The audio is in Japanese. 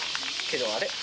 けど、あれ？